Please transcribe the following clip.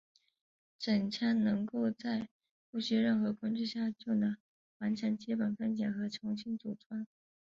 整枪能够在不需任何工具下就能完成基本分解和重新组装。